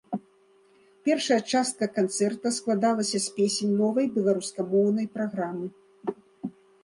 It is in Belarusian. Першая частка канцэрта складалася з песень новай беларускамоўнай праграмы.